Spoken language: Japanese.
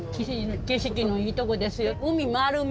景色のいいとこですよ。